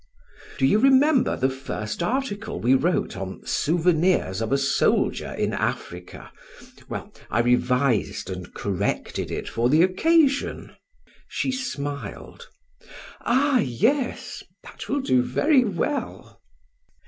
"Do you remember the first article we wrote on 'Souvenirs of a Soldier in Africa'? Well, I revised and corrected it for the occasion." She smiled. "Ah, yes, that will do very well."